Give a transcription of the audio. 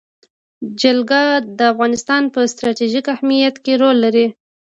جلګه د افغانستان په ستراتیژیک اهمیت کې رول لري.